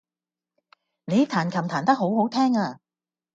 你彈琴彈得好好聽呀